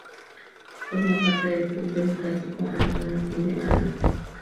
Formó parte del Club Democrático Antón Martín de Madrid.